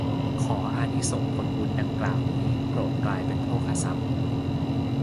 ขออานิสงส์ผลบุญดังกล่าวนี้โปรดกลายเป็นโภคทรัพย์